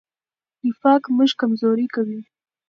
نفاق موږ کمزوري کوي.